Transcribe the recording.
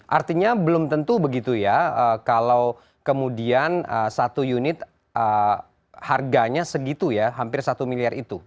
artinya belum tentu begitu ya kalau kemudian satu unit harganya segitu ya hampir satu miliar itu